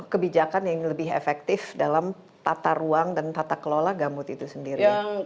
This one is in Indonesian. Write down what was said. kebijakan yang lebih efektif dalam tata ruang dan tata kelola gambut itu sendiri